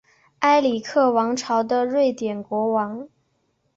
埃里克王朝的瑞典国王。